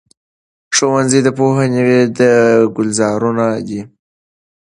ښوونځي د پوهې ګلزارونه دي.